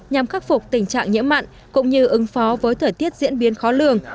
nhằm khắc phục tình trạng nhiễm mặn cũng như ứng phó với thời tiết diễn biến khó lường